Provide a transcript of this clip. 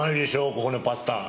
ここのパスタ。